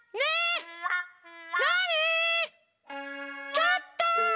ちょっと！